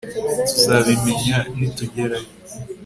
Tuzabimenya nitugerayo